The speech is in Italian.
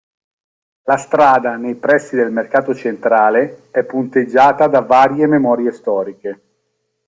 La strada, nei pressi del Mercato Centrale, è punteggiata da varie memorie storiche.